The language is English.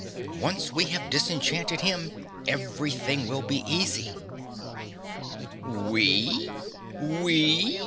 Once we have disenchanted him, everything will be easy." "We? We?"